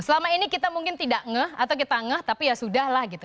selama ini kita mungkin tidak ngeh atau kita ngeah tapi ya sudah lah gitu